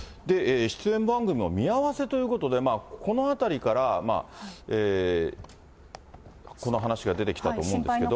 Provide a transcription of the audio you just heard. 出演番組の見合わせということで、このあたりから、この話が出てきたと思うんですけど。